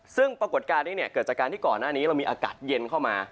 ซึ่งปรากฏการณ์นี้เกิดจากการที่ก่อนหน้านี้เรามีอากาศเย็นเข้ามา